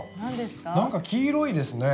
なんか黄色いですね。